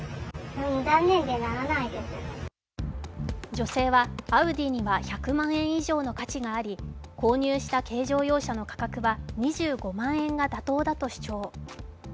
女性はアウディには１００万円以上の価値があり購入した軽乗用車の価格は２５万円が妥当だと主張。